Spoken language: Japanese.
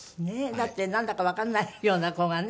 だってなんだかわかんないような子がね